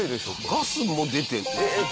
ガスも出てえっ？